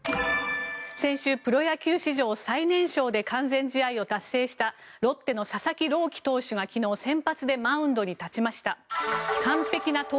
先週、プロ野球史上最年少で完全試合を達成したロッテの佐々木朗希投手が昨日、先発でマウンドに立ちました。